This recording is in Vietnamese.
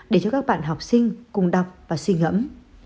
để cho các bạn học sinh cùng đọc và suy ngẫm